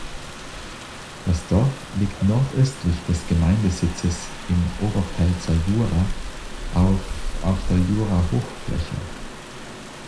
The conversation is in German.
Das Dorf liegt nordöstlich des Gemeindesitzes im Oberpfälzer Jura auf auf der Jurahochfläche.